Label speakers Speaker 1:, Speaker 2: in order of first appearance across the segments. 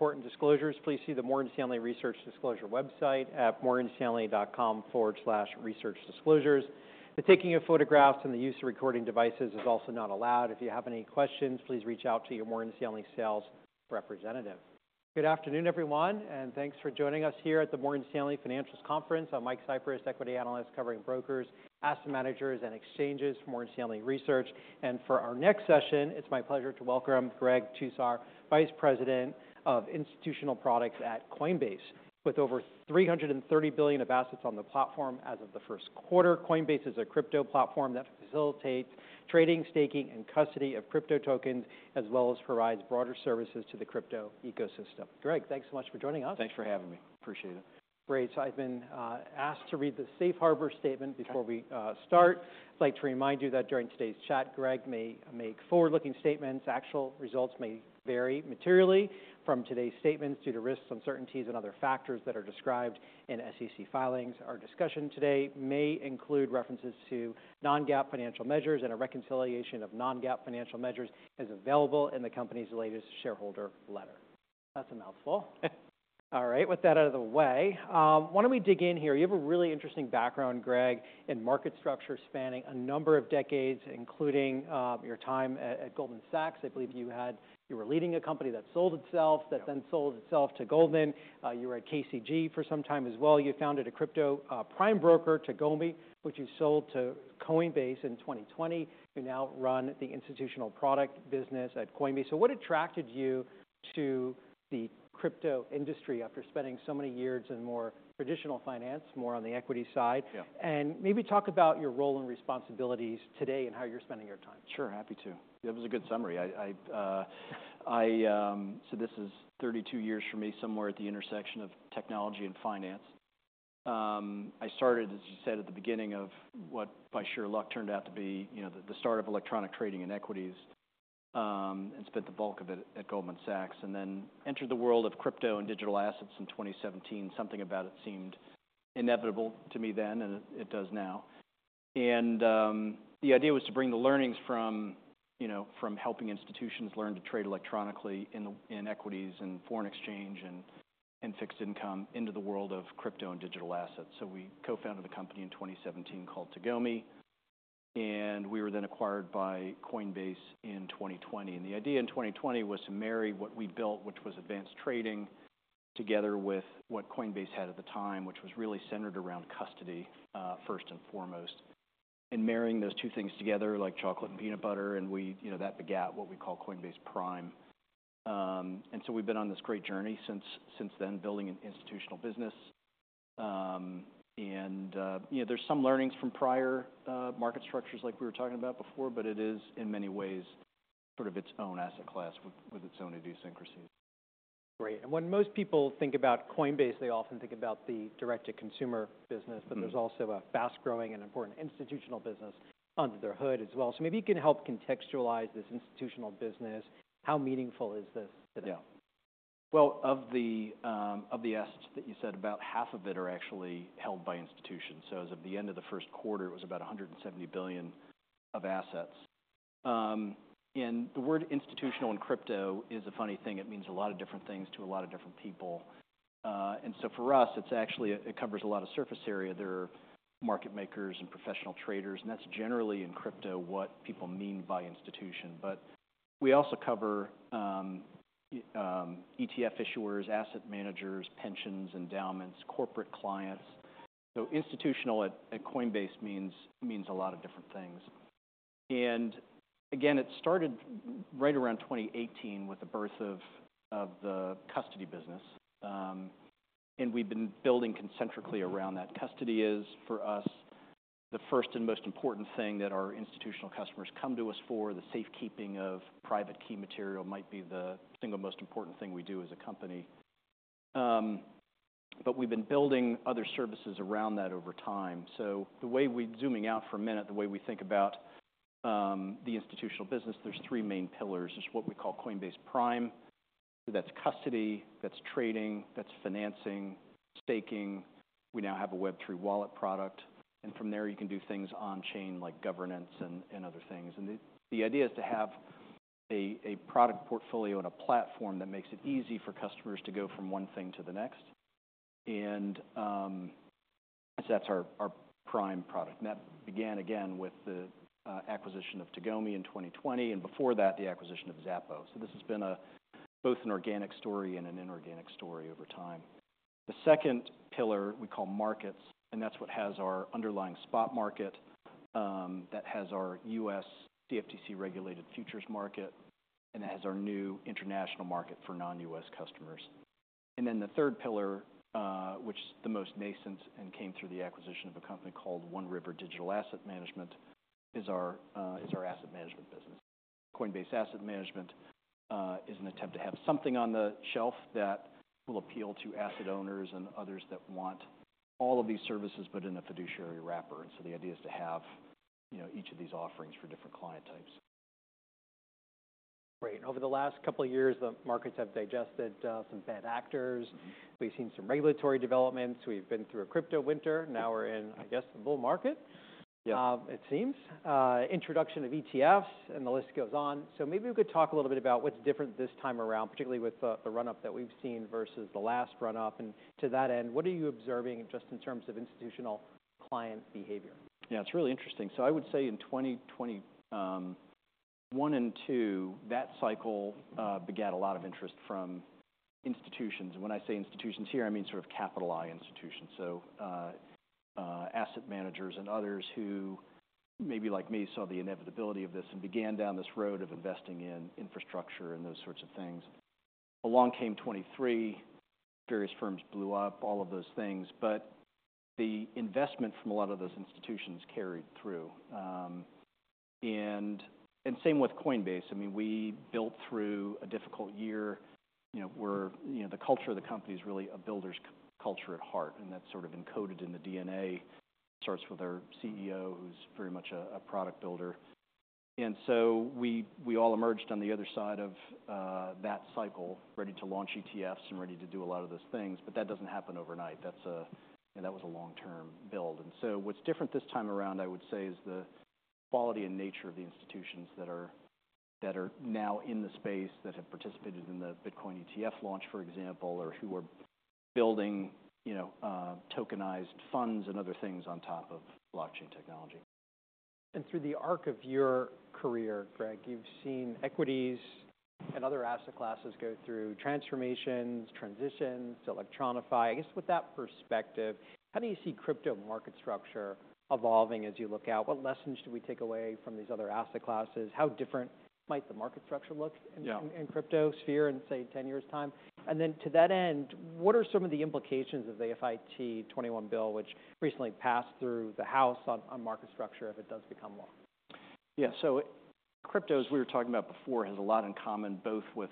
Speaker 1: Important disclosures. Please see the Morgan Stanley Research Disclosure website at morganstanley.com/researchdisclosures. The taking of photographs and the use of recording devices is also not allowed. If you have any questions, please reach out to your Morgan Stanley sales representative. Good afternoon, everyone, and thanks for joining us here at the Morgan Stanley Financials Conference. I'm Mike Cyprys, equity analyst covering brokers, asset managers, and exchanges for Morgan Stanley Research. For our next session, it's my pleasure to welcome Greg Tusar, Vice President of Institutional Products at Coinbase. With over $330 billion of assets on the platform as of the first quarter, Coinbase is a crypto platform that facilitates trading, staking, and custody of crypto tokens, as well as provides broader services to the crypto ecosystem. Greg, thanks so much for joining us.
Speaker 2: Thanks for having me. Appreciate it.
Speaker 1: Great. So I've been asked to read the safe harbor statement before we start. I'd like to remind you that during today's chat, Greg may make forward-looking statements. Actual results may vary materially from today's statements due to risks, uncertainties, and other factors that are described in SEC filings. Our discussion today may include references to non-GAAP financial measures, and a reconciliation of non-GAAP financial measures is available in the company's latest shareholder letter. That's a mouthful. All right, with that out of the way, why don't we dig in here? You have a really interesting background, Greg, in market structure spanning a number of decades, including your time at Goldman Sachs. I believe you were leading a company that sold itself, that then sold itself to Goldman. You were at KCG for some time as well. You founded a crypto Prime broker, Tagomi, which you sold to Coinbase in 2020. You now run the institutional product business at Coinbase. So what attracted you to the crypto industry after spending so many years in more traditional finance, more on the equity side?
Speaker 2: Yeah.
Speaker 1: Maybe talk about your role and responsibilities today and how you're spending your time.
Speaker 2: Sure, happy to. That was a good summary. So this is 32 years for me, somewhere at the intersection of technology and finance. I started, as you said at the beginning, of what by sheer luck turned out to be the start of electronic trading and equities, and spent the bulk of it at Goldman Sachs, and then entered the world of crypto and digital assets in 2017. Something about it seemed inevitable to me then, and it does now. And the idea was to bring the learnings from helping institutions learn to trade electronically in equities and foreign exchange and fixed income into the world of crypto and digital assets. So we co-founded a company in 2017 called Tagomi, and we were then acquired by Coinbase in 2020. The idea in 2020 was to marry what we built, which was advanced trading, together with what Coinbase had at the time, which was really centered around custody first and foremost. Marrying those two things together, like chocolate and peanut butter, begat what we call Coinbase Prime. So we've been on this great journey since then, building an institutional business. There's some learnings from prior market structures like we were talking about before, but it is in many ways sort of its own asset class with its own idiosyncrasies.
Speaker 1: Great. And when most people think about Coinbase, they often think about the direct-to-consumer business, but there's also a fast-growing and important institutional business under their hood as well. So maybe you can help contextualize this institutional business. How meaningful is this today?
Speaker 2: Yeah. Well, of the assets that you said, about half of it are actually held by institutions. So as of the end of the first quarter, it was about $170 billion of assets. And the word institutional in crypto is a funny thing. It means a lot of different things to a lot of different people. And so for us, it covers a lot of surface area. There are market makers and professional traders, and that's generally in crypto what people mean by institution. But we also cover ETF issuers, asset managers, pensions, endowments, corporate clients. So institutional at Coinbase means a lot of different things. And again, it started right around 2018 with the birth of the custody business. And we've been building concentrically around that. Custody is, for us, the first and most important thing that our institutional customers come to us for. The safekeeping of private key material might be the single most important thing we do as a company. But we've been building other services around that over time. So, zooming out for a minute, the way we think about the institutional business, there's three main pillars. There's what we call Coinbase Prime. So that's custody, that's trading, that's financing, staking. We now have a Web3 wallet product. And from there, you can do things on-chain like governance and other things. And the idea is to have a product portfolio and a platform that makes it easy for customers to go from one thing to the next. And that's our Prime product. And that began, again, with the acquisition of Tagomi in 2020, and before that, the acquisition of Xapo. So this has been both an organic story and an inorganic story over time. The second pillar we call markets, and that's what has our underlying spot market, that has our U.S. CFTC-regulated futures market, and that has our new international market for non-U.S. customers. And then the third pillar, which is the most nascent and came through the acquisition of a company called One River Digital Asset Management, is our asset management business. Coinbase Asset Management is an attempt to have something on the shelf that will appeal to asset owners and others that want all of these services, but in a fiduciary wrapper. And so the idea is to have each of these offerings for different client types.
Speaker 1: Great. And over the last couple of years, the markets have digested some bad actors. We've seen some regulatory developments. We've been through a crypto winter. Now we're in, I guess, the bull market, it seems. Introduction of ETFs, and the list goes on. So maybe we could talk a little bit about what's different this time around, particularly with the run-up that we've seen versus the last run-up. And to that end, what are you observing just in terms of institutional client behavior?
Speaker 2: Yeah, it's really interesting. So I would say in 2021 and 2022, that cycle begat a lot of interest from institutions. And when I say institutions here, I mean sort of capital-i institutions. So asset managers and others who maybe like me saw the inevitability of this and began down this road of investing in infrastructure and those sorts of things. Along came 2023. Various firms blew up, all of those things. But the investment from a lot of those institutions carried through. And same with Coinbase. I mean, we built through a difficult year. The culture of the company is really a builder's culture at heart, and that's sort of encoded in the DNA. It starts with our CEO, who's very much a product builder. We all emerged on the other side of that cycle, ready to launch ETFs and ready to do a lot of those things. But that doesn't happen overnight. That was a long-term build. What's different this time around, I would say, is the quality and nature of the institutions that are now in the space, that have participated in the Bitcoin ETF launch, for example, or who are building tokenized funds and other things on top of blockchain technology.
Speaker 1: Through the arc of your career, Greg, you've seen equities and other asset classes go through transformations, transitions, to electronify. I guess with that perspective, how do you see crypto market structure evolving as you look out? What lessons do we take away from these other asset classes? How different might the market structure look in crypto sphere in, say, 10 years' time? And then to that end, what are some of the implications of the FIT 21 bill, which recently passed through the House on market structure if it does become law?
Speaker 2: Yeah. So crypto, as we were talking about before, has a lot in common both with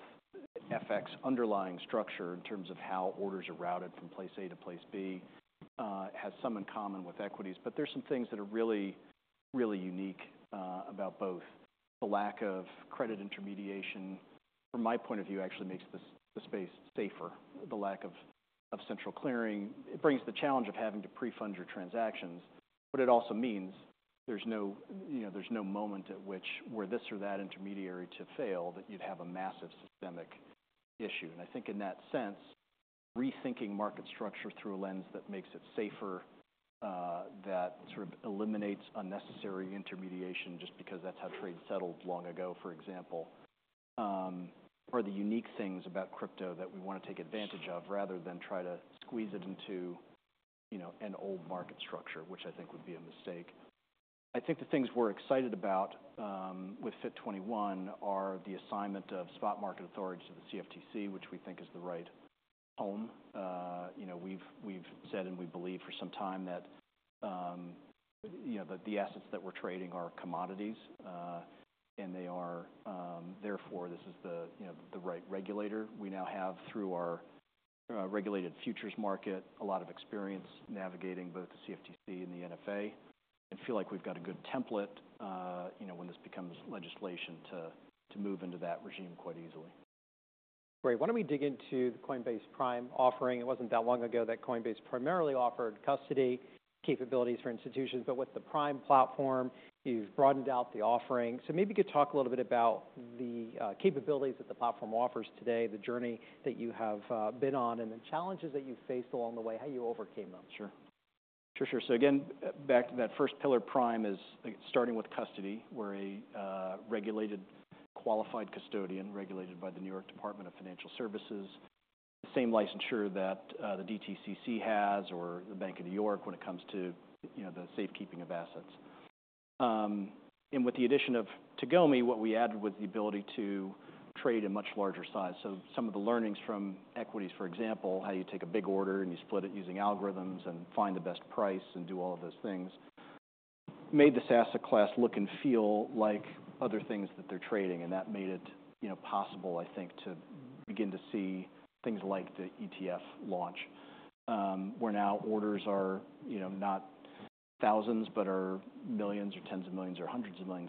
Speaker 2: FX underlying structure in terms of how orders are routed from place A to place B, has some in common with equities. But there are some things that are really, really unique about both. The lack of credit intermediation, from my point of view, actually makes the space safer. The lack of central clearing, it brings the challenge of having to pre-fund your transactions. But it also means there's no moment at which, were this or that intermediary to fail, that you'd have a massive systemic issue. I think in that sense, rethinking market structure through a lens that makes it safer, that sort of eliminates unnecessary intermediation just because that's how trade settled long ago, for example, are the unique things about crypto that we want to take advantage of rather than try to squeeze it into an old market structure, which I think would be a mistake. I think the things we're excited about with FIT 21 are the assignment of spot market authority to the CFTC, which we think is the right home. We've said and we believe for some time that the assets that we're trading are commodities, and therefore this is the right regulator. We now have, through our regulated futures market, a lot of experience navigating both the CFTC and the NFA. I feel like we've got a good template when this becomes legislation to move into that regime quite easily.
Speaker 1: Great. Why don't we dig into the Coinbase Prime offering? It wasn't that long ago that Coinbase primarily offered custody capabilities for institutions, but with the Prime platform, you've broadened out the offering. So maybe you could talk a little bit about the capabilities that the platform offers today, the journey that you have been on, and the challenges that you've faced along the way, how you overcame them.
Speaker 2: Sure. Sure, sure. So again, back to that first pillar, Prime is starting with custody. We're a regulated qualified custodian regulated by the New York Department of Financial Services, the same licensure that the DTCC has or the Bank of New York when it comes to the safekeeping of assets. And with the addition of Tagomi, what we added was the ability to trade a much larger size. So some of the learnings from equities, for example, how you take a big order and you split it using algorithms and find the best price and do all of those things, made this asset class look and feel like other things that they're trading. That made it possible, I think, to begin to see things like the ETF launch, where now orders are not $1,000, but are $1 million or $10 million or $100 million,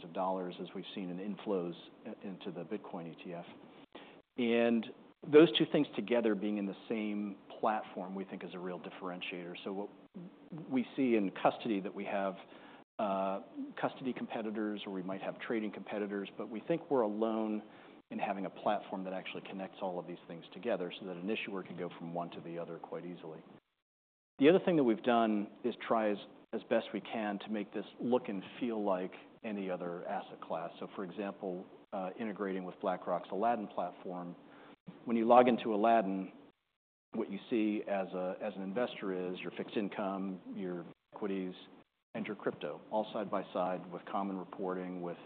Speaker 2: as we've seen in inflows into the Bitcoin ETF. Those two things together being in the same platform, we think, is a real differentiator. So we see in custody that we have custody competitors or we might have trading competitors, but we think we're alone in having a platform that actually connects all of these things together so that an issuer can go from one to the other quite easily. The other thing that we've done is try as best we can to make this look and feel like any other asset class. So for example, integrating with BlackRock's Aladdin platform. When you log into Aladdin, what you see as an investor is your fixed income, your equities, and your crypto, all side by side with common reporting, with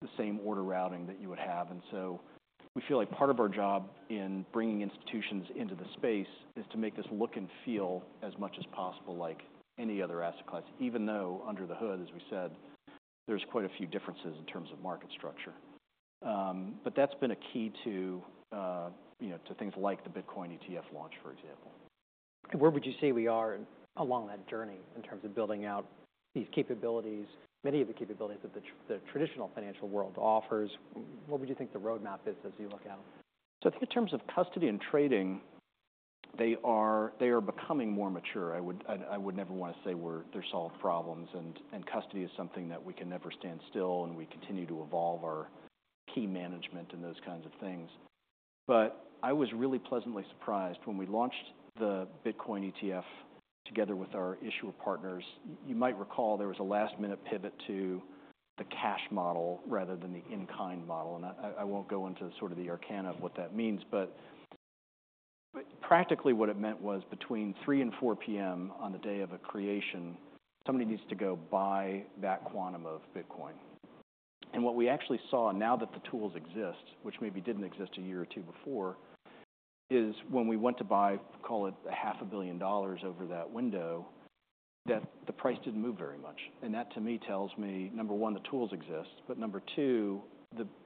Speaker 2: the same order routing that you would have. And so we feel like part of our job in bringing institutions into the space is to make this look and feel as much as possible like any other asset class, even though under the hood, as we said, there's quite a few differences in terms of market structure. But that's been a key to things like the Bitcoin ETF launch, for example.
Speaker 1: Where would you say we are along that journey in terms of building out these capabilities, many of the capabilities that the traditional financial world offers? What would you think the roadmap is as you look out?
Speaker 2: So I think in terms of custody and trading, they are becoming more mature. I would never want to say they're solved problems. And custody is something that we can never stand still, and we continue to evolve our key management and those kinds of things. But I was really pleasantly surprised when we launched the Bitcoin ETF together with our issuer partners. You might recall there was a last-minute pivot to the cash model rather than the in-kind model. And I won't go into sort of the arcana of what that means. But practically, what it meant was between 3:00 P.M. and 4:00 P.M. on the day of a creation, somebody needs to go buy that quantum of Bitcoin. What we actually saw now that the tools exist, which maybe didn't exist a year or two before, is when we went to buy, call it $500 million over that window, that the price didn't move very much. And that to me tells me, number one, the tools exist. But number two,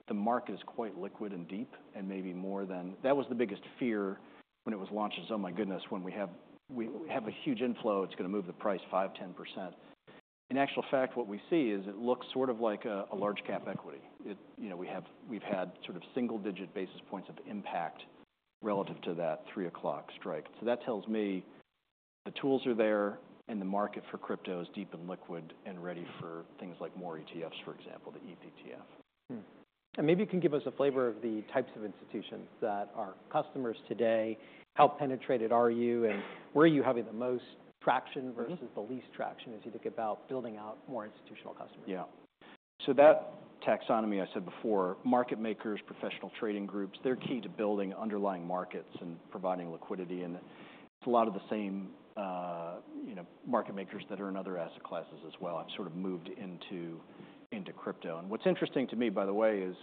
Speaker 2: the market is quite liquid and deep and maybe more than that was the biggest fear when it was launched is, "Oh my goodness, when we have a huge inflow, it's going to move the price 5%-10%." In actual fact, what we see is it looks sort of like a large-cap equity. We've had sort of single-digit basis points of impact relative to that 3:00 P.M. strike. So that tells me the tools are there and the market for crypto is deep and liquid and ready for things like more ETFs, for example, the ETH ETF.
Speaker 1: Maybe you can give us a flavor of the types of institutions that are customers today. How penetrated are you and where are you having the most traction versus the least traction as you think about building out more institutional customers?
Speaker 2: Yeah. So that taxonomy I said before, market makers, professional trading groups, they're key to building underlying markets and providing liquidity. And it's a lot of the same market makers that are in other asset classes as well have sort of moved into crypto. And what's interesting to me, by the way, is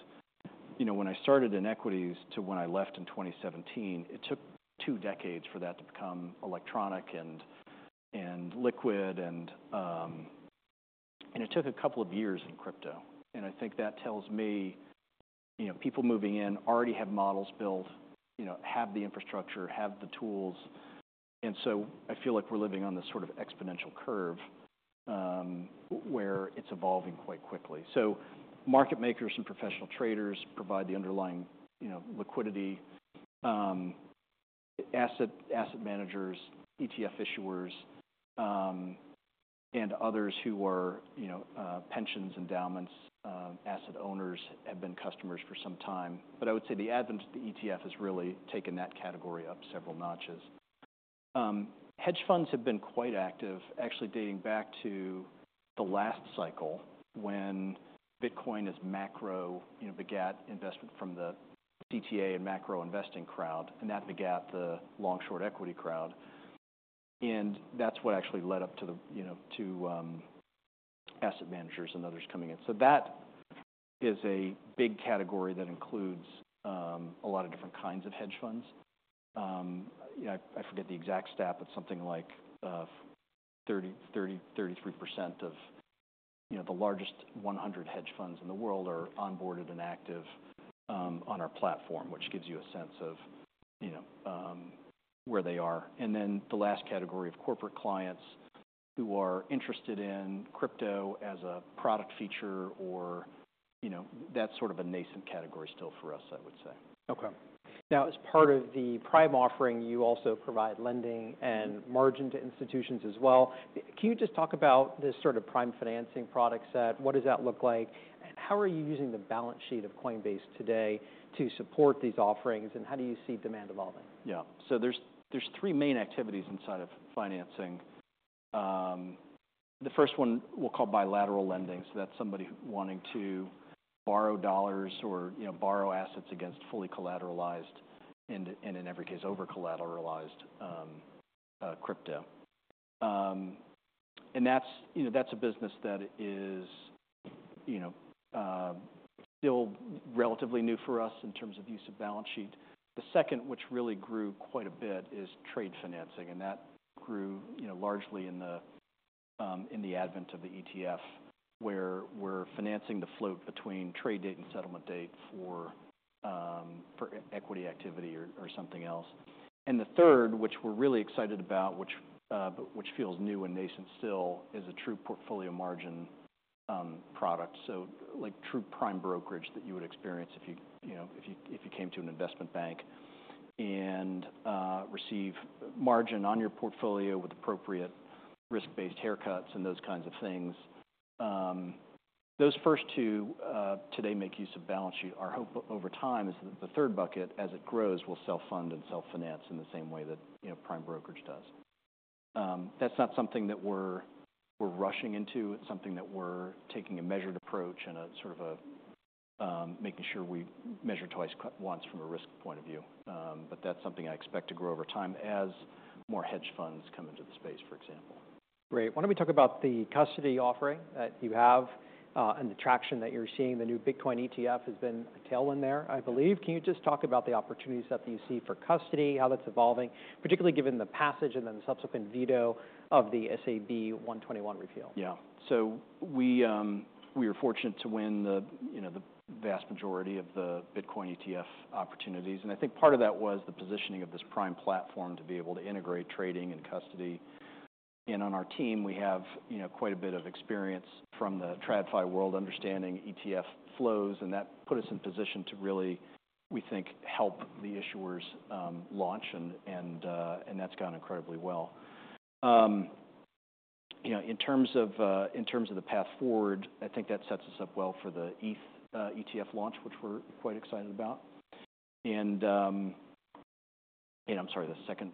Speaker 2: when I started in equities to when I left in 2017, it took two decades for that to become electronic and liquid. And it took a couple of years in crypto. And I think that tells me people moving in already have models built, have the infrastructure, have the tools. And so I feel like we're living on this sort of exponential curve where it's evolving quite quickly. So market makers and professional traders provide the underlying liquidity. Asset managers, ETF issuers, and others who are pensions, endowments, asset owners have been customers for some time. But I would say the advent of the ETF has really taken that category up several notches. Hedge funds have been quite active, actually dating back to the last cycle when Bitcoin as macro begat investment from the CTA and macro investing crowd, and that begat the long-short equity crowd. And that's what actually led up to asset managers and others coming in. So that is a big category that includes a lot of different kinds of hedge funds. I forget the exact stat, but something like 30%-33% of the largest 100 hedge funds in the world are onboarded and active on our platform, which gives you a sense of where they are. And then the last category of corporate clients who are interested in crypto as a product feature or that's sort of a nascent category still for us, I would say.
Speaker 1: Okay. Now, as part of the Prime offering, you also provide lending and margin to institutions as well. Can you just talk about this sort of Prime financing product set? What does that look like? And how are you using the balance sheet of Coinbase today to support these offerings? And how do you see demand evolving?
Speaker 2: Yeah. So there's three main activities inside of financing. The first one we'll call bilateral lending. So that's somebody wanting to borrow dollars or borrow assets against fully collateralized and in every case over-collateralized crypto. And that's a business that is still relatively new for us in terms of use of balance sheet. The second, which really grew quite a bit, is trade financing. And that grew largely in the advent of the ETF, where we're financing the float between trade date and settlement date for equity activity or something else. And the third, which we're really excited about, which feels new and nascent still, is a true portfolio margin product. So like true Prime brokerage that you would experience if you came to an investment bank and receive margin on your portfolio with appropriate risk-based haircuts and those kinds of things. Those first two today make use of balance sheet. Our hope over time is that the third bucket, as it grows, will self-fund and self-finance in the same way that Prime brokerage does. That's not something that we're rushing into. It's something that we're taking a measured approach and sort of making sure we measure twice once from a risk point of view. That's something I expect to grow over time as more hedge funds come into the space, for example.
Speaker 1: Great. Why don't we talk about the custody offering that you have and the traction that you're seeing? The new Bitcoin ETF has been a tailwind there, I believe. Can you just talk about the opportunities that you see for custody, how that's evolving, particularly given the passage and then subsequent veto of the SAB 121 repeal?
Speaker 2: Yeah. So we were fortunate to win the vast majority of the Bitcoin ETF opportunities. And I think part of that was the positioning of this Prime platform to be able to integrate trading and custody. And on our team, we have quite a bit of experience from the TradFi world understanding ETF flows. And that put us in position to really, we think, help the issuers launch. And that's gone incredibly well. In terms of the path forward, I think that sets us up well for the ETH ETF launch, which we're quite excited about. And I'm sorry,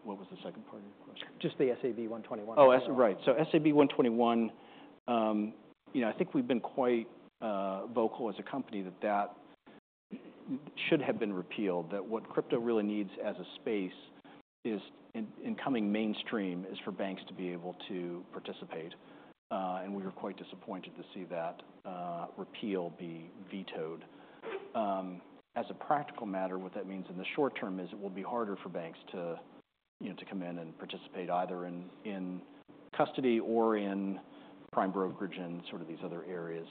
Speaker 2: what was the second part of your question?
Speaker 1: Just the SAB 121.
Speaker 2: Oh, right. So, SAB 121, I think we've been quite vocal as a company that that should have been repealed, that what crypto really needs as a space is, in coming mainstream, for banks to be able to participate. And we were quite disappointed to see that repeal be vetoed. As a practical matter, what that means in the short term is it will be harder for banks to come in and participate either in custody or in Prime brokerage and sort of these other areas.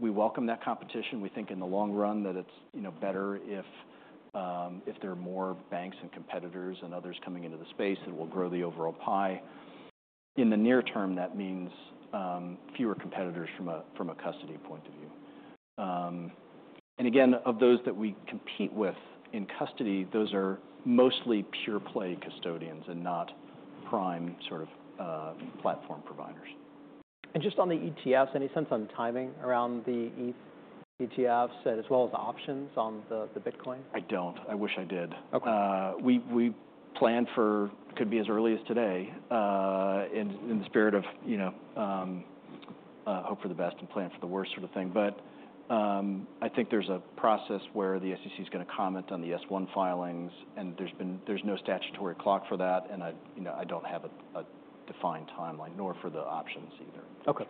Speaker 2: We welcome that competition. We think in the long run that it's better if there are more banks and competitors and others coming into the space that will grow the overall pie. In the near term, that means fewer competitors from a custody point of view. Again, of those that we compete with in custody, those are mostly pure-play custodians and not Prime sort of platform providers.
Speaker 1: Just on the ETFs, any sense on timing around the ETH ETFs as well as options on the Bitcoin?
Speaker 2: I don't. I wish I did. We plan for it could be as early as today in the spirit of hope for the best and plan for the worst sort of thing. But I think there's a process where the SEC is going to comment on the S-1 filings, and there's no statutory clock for that. I don't have a defined timeline, nor for the options either. I wish.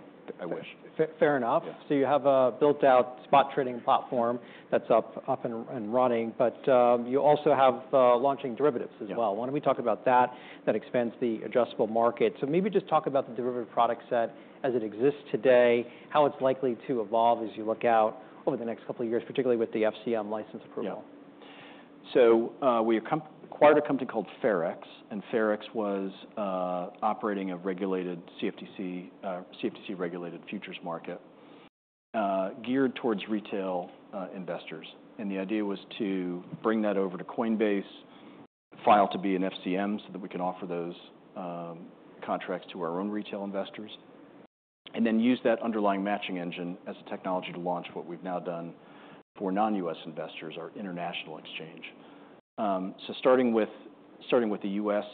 Speaker 1: Fair enough. So you have a built-out spot trading platform that's up and running. But you also have launching derivatives as well. Why don't we talk about that? That expands the adjustable market. So maybe just talk about the derivative product set as it exists today, how it's likely to evolve as you look out over the next couple of years, particularly with the FCM license approval.
Speaker 2: Yeah. So we acquired a company called FairX. And FairX was operating a regulated CFTC-regulated futures market geared towards retail investors. The idea was to bring that over to Coinbase, file to be an FCM so that we can offer those contracts to our own retail investors, and then use that underlying matching engine as a technology to launch what we've now done for non-U.S. investors, our international exchange. So starting with the U.S.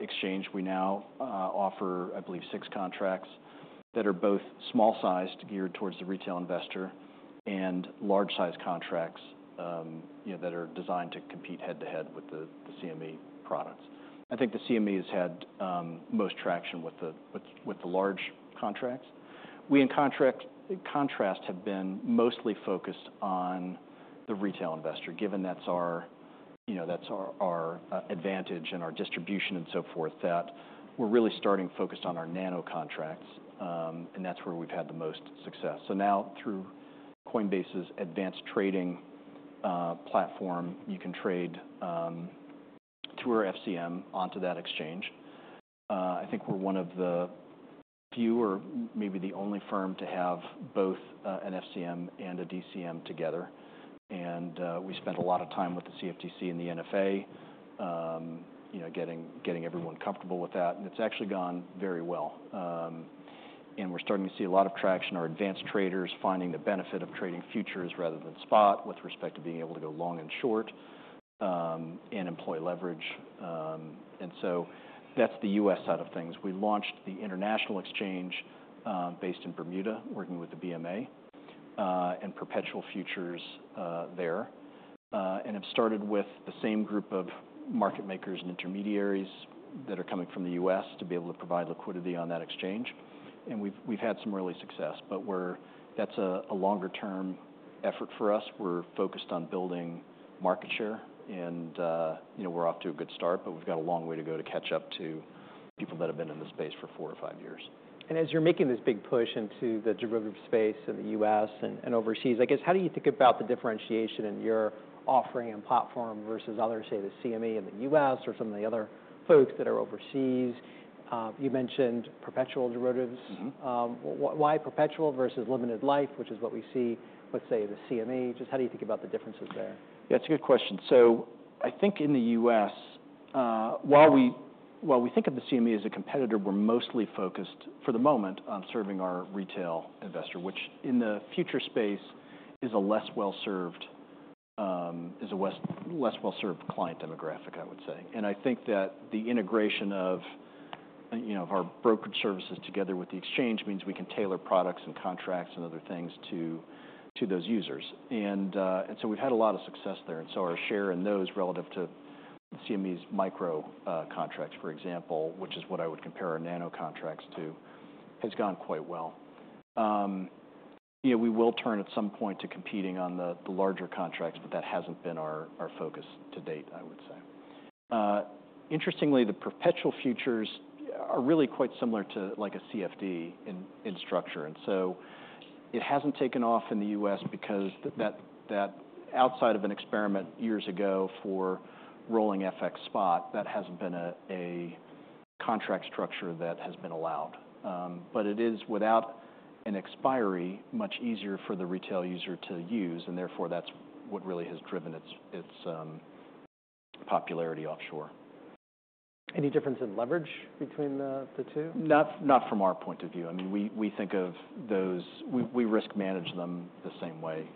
Speaker 2: exchange, we now offer, I believe, six contracts that are both small-sized geared towards the retail investor and large-sized contracts that are designed to compete head-to-head with the CME products. I think the CME has had most traction with the large contracts. We, in contrast, have been mostly focused on the retail investor, given that's our advantage and our distribution and so forth, that we're really starting focused on our Nano contracts. That's where we've had the most success. Now, through Coinbase's advanced trading platform, you can trade through our FCM onto that exchange. I think we're one of the few or maybe the only firm to have both an FCM and a DCM together. We spent a lot of time with the CFTC and the NFA getting everyone comfortable with that. It's actually gone very well. We're starting to see a lot of traction, our advanced traders finding the benefit of trading futures rather than spot with respect to being able to go long and short and employ leverage. That's the U.S. side of things. We launched the international exchange based in Bermuda, working with the BMA and perpetual futures there, and have started with the same group of market makers and intermediaries that are coming from the U.S. to be able to provide liquidity on that exchange. We've had some early success. But that's a longer-term effort for us. We're focused on building market share. We're off to a good start, but we've got a long way to go to catch up to people that have been in the space for four or five years.
Speaker 1: As you're making this big push into the derivative space in the U.S. and overseas, I guess, how do you think about the differentiation in your offering and platform versus others, say, the CME in the U.S. or some of the other folks that are overseas? You mentioned perpetual derivatives. Why perpetual versus limited life, which is what we see, let's say, in the CME? Just how do you think about the differences there?
Speaker 2: Yeah, it's a good question. So I think in the U.S., while we think of the CME as a competitor, we're mostly focused for the moment on serving our retail investor, which in the futures space is a less well-served client demographic, I would say. And I think that the integration of our brokerage services together with the exchange means we can tailor products and contracts and other things to those users. And so we've had a lot of success there. And so our share in those relative to the CME's micro contracts, for example, which is what I would compare our Nano contracts to, has gone quite well. We will turn at some point to competing on the larger contracts, but that hasn't been our focus to date, I would say. Interestingly, the perpetual futures are really quite similar to like a CFD in structure. And so it hasn't taken off in the U.S. because outside of an experiment years ago for rolling FX spot, that hasn't been a contract structure that has been allowed. But it is, without an expiry, much easier for the retail user to use. And therefore, that's what really has driven its popularity offshore.
Speaker 1: Any difference in leverage between the two?
Speaker 2: Not from our point of view. I mean, we think of those. We risk manage them the same way.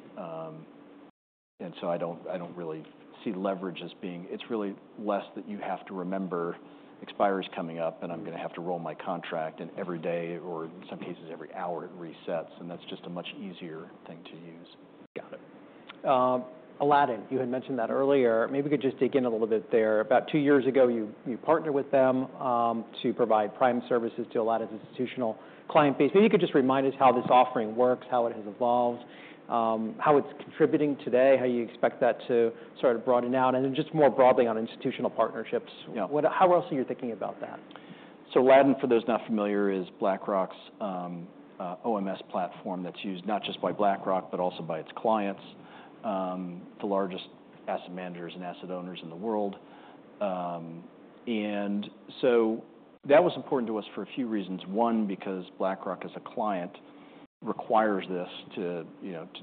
Speaker 2: And so I don't really see leverage as being it's really less that you have to remember expires coming up, and I'm going to have to roll my contract. And every day, or in some cases, every hour, it resets. And that's just a much easier thing to use.
Speaker 1: Got it. Aladdin, you had mentioned that earlier. Maybe we could just dig in a little bit there. About two years ago, you partnered with them to provide Prime services to a lot of institutional client base. Maybe you could just remind us how this offering works, how it has evolved, how it's contributing today, how you expect that to sort of broaden out, and then just more broadly on institutional partnerships. How else are you thinking about that?
Speaker 2: So Aladdin, for those not familiar, is BlackRock's OMS platform that's used not just by BlackRock, but also by its clients. It's the largest asset managers and asset owners in the world. So that was important to us for a few reasons. One, because BlackRock, as a client, requires this to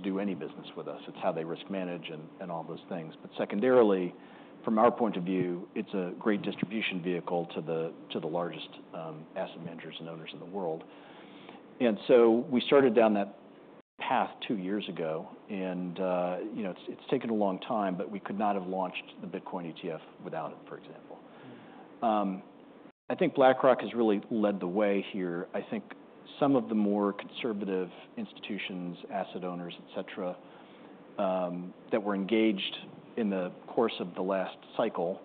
Speaker 2: do any business with us. It's how they risk manage and all those things. But secondarily, from our point of view, it's a great distribution vehicle to the largest asset managers and owners in the world. So we started down that path two years ago. It's taken a long time, but we could not have launched the Bitcoin ETF without it, for example. I think BlackRock has really led the way here. I think some of the more conservative institutions, asset owners, etc., that were engaged in the course of the last cycle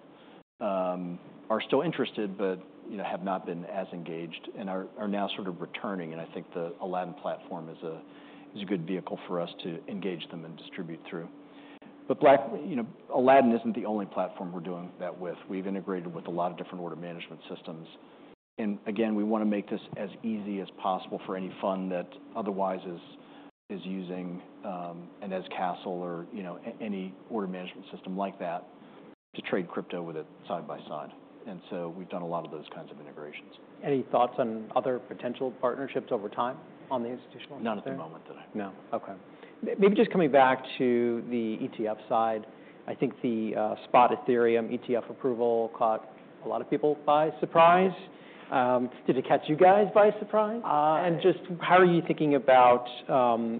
Speaker 2: are still interested but have not been as engaged and are now sort of returning. I think the Aladdin platform is a good vehicle for us to engage them and distribute through. Aladdin isn't the only platform we're doing that with. We've integrated with a lot of different order management systems. Again, we want to make this as easy as possible for any fund that otherwise is using an Eze Castle or any order management system like that to trade crypto with it side by side. So we've done a lot of those kinds of integrations.
Speaker 1: Any thoughts on other potential partnerships over time on the institutional side?
Speaker 2: Not at the moment that I know.
Speaker 1: No. Okay. Maybe just coming back to the ETF side, I think the spot Ethereum ETF approval caught a lot of people by surprise. Did it catch you guys by surprise? And just how are you thinking about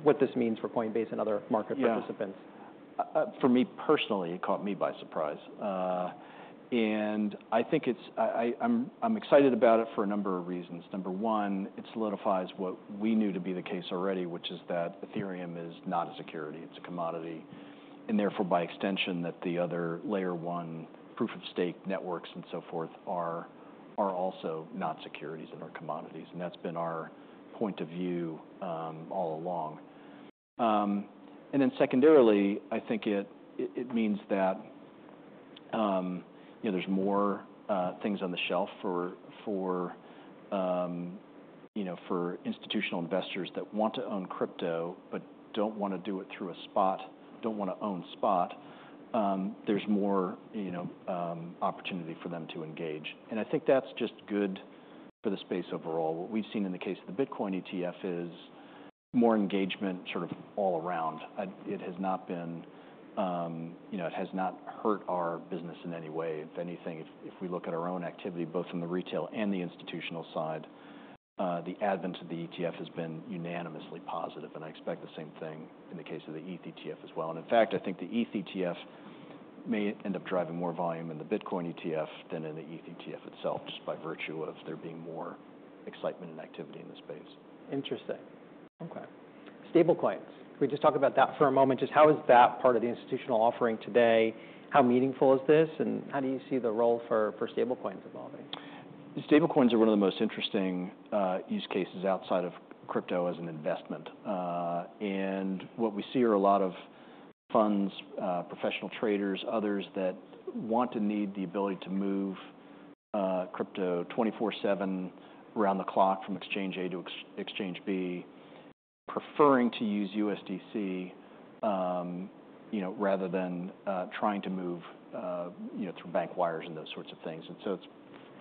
Speaker 1: what this means for Coinbase and other market participants?
Speaker 2: For me personally, it caught me by surprise. I think I'm excited about it for a number of reasons. Number one, it solidifies what we knew to be the case already, which is that Ethereum is not a security. It's a commodity. Therefore, by extension, that the other layer one proof of stake networks and so forth are also not securities and are commodities. That's been our point of view all along. Then secondarily, I think it means that there's more things on the shelf for institutional investors that want to own crypto but don't want to do it through a spot, don't want to own spot. There's more opportunity for them to engage. I think that's just good for the space overall. What we've seen in the case of the Bitcoin ETF is more engagement sort of all around. It has not hurt our business in any way. If anything, if we look at our own activity, both in the retail and the institutional side, the advent of the ETF has been unanimously positive. And I expect the same thing in the case of the ETH ETF as well. And in fact, I think the ETH ETF may end up driving more volume in the Bitcoin ETF than in the ETH ETF itself, just by virtue of there being more excitement and activity in the space.
Speaker 1: Interesting. Okay. Stablecoins. Can we just talk about that for a moment? Just how is that part of the institutional offering today? How meaningful is this? And how do you see the role for stablecoins evolving?
Speaker 2: Stablecoins are one of the most interesting use cases outside of crypto as an investment. What we see are a lot of funds, professional traders, others that want and need the ability to move crypto 24/7, around the clock from exchange A to exchange B, preferring to use USDC rather than trying to move through bank wires and those sorts of things. So it's,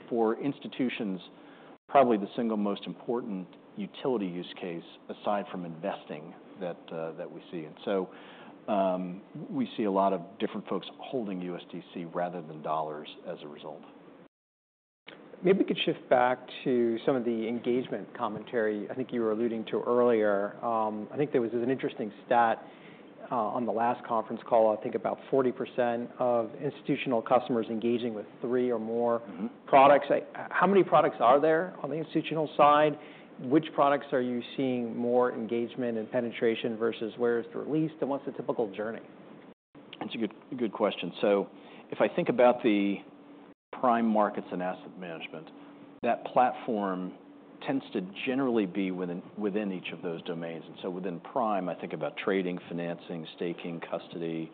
Speaker 2: for institutions, probably the single most important utility use case aside from investing that we see. We see a lot of different folks holding USDC rather than dollars as a result.
Speaker 1: Maybe we could shift back to some of the engagement commentary. I think you were alluding to earlier. I think there was an interesting stat on the last conference call. I think about 40% of institutional customers engaging with three or more products. How many products are there on the institutional side? Which products are you seeing more engagement and penetration versus where it's the least? And what's the typical journey?
Speaker 2: That's a good question. So if I think about the Prime markets and asset management, that platform tends to generally be within each of those domains. And so within Prime, I think about trading, financing, staking, custody,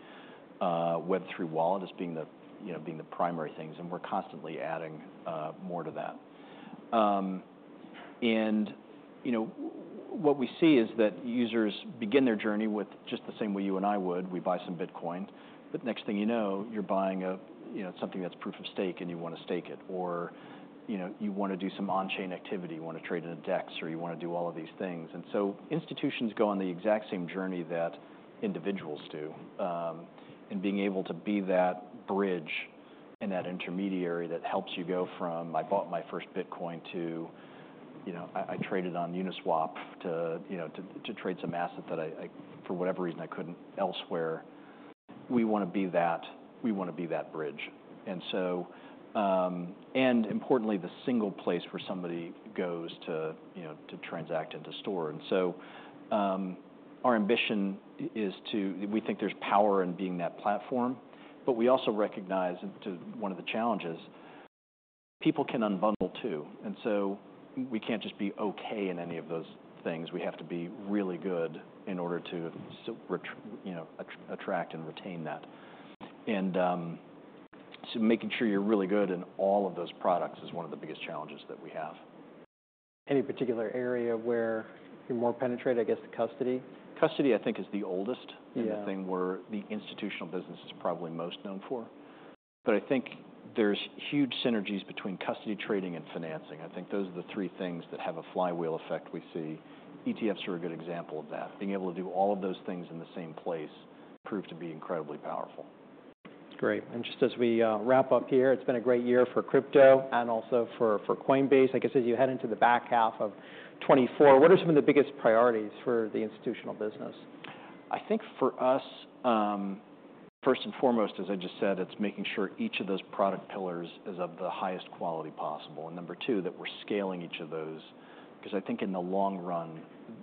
Speaker 2: Web3 wallet as being the primary things. And we're constantly adding more to that. And what we see is that users begin their journey with just the same way you and I would. We buy some Bitcoin. But next thing you know, you're buying something that's Proof of Stake, and you want to stake it. Or you want to do some on-chain activity. You want to trade in a DEX, or you want to do all of these things. And so institutions go on the exact same journey that individuals do. Being able to be that bridge and that intermediary that helps you go from, "I bought my first Bitcoin," to, "I traded on Uniswap," to trade some asset that I, for whatever reason, I couldn't elsewhere, we want to be that. We want to be that bridge. Importantly, the single place where somebody goes to transact and to store. Our ambition is to we think there's power in being that platform. But we also recognize one of the challenges: people can unbundle too. So we can't just be okay in any of those things. We have to be really good in order to attract and retain that. Making sure you're really good in all of those products is one of the biggest challenges that we have.
Speaker 1: Any particular area where you're more penetrated, I guess, the custody?
Speaker 2: Custody, I think, is the oldest thing where the institutional business is probably most known for. But I think there's huge synergies between custody trading and financing. I think those are the three things that have a flywheel effect we see. ETFs are a good example of that. Being able to do all of those things in the same place proved to be incredibly powerful.
Speaker 1: Great. And just as we wrap up here, it's been a great year for crypto and also for Coinbase. I guess as you head into the back half of 2024, what are some of the biggest priorities for the institutional business?
Speaker 2: I think for us, first and foremost, as I just said, it's making sure each of those product pillars is of the highest quality possible. And number two, that we're scaling each of those. Because I think in the long run,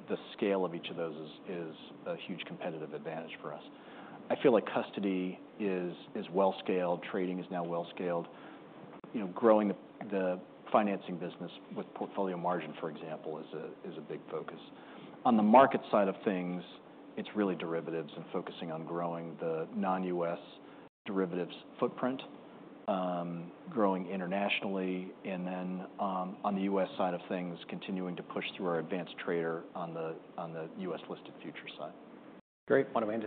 Speaker 2: the scale of each of those is a huge competitive advantage for us. I feel like custody is well-scaled. Trading is now well-scaled. Growing the financing business with portfolio margin, for example, is a big focus. On the market side of things, it's really derivatives and focusing on growing the non-US derivatives footprint, growing internationally. And then on the US side of things, continuing to push through our advanced trader on the US-listed futures side.
Speaker 1: Great. Want to.